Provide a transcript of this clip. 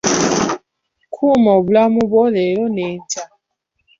Kuma obulamu bwo leero n'enkya.